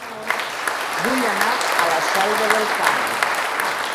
Vull anar a La Selva del Camp